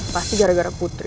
pasti gara gara putri